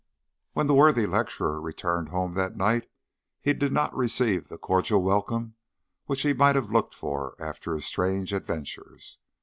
When the worthy lecturer returned home that night he did not receive the cordial welcome which he might have looked for after his strange adventures.